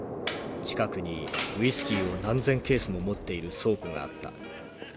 近くにウイスキーを何千ケースも持っている倉庫があった。